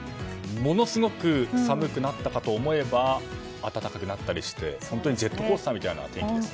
ものすごく寒くなったかと思えば暖かくなったりして本当ジェットコースターみたいな天気ですね。